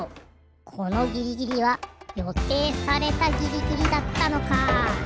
このギリギリはよていされたギリギリだったのか。